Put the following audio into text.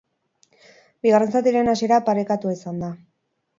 Bigarren zatiaren hasiera parekatua izan da.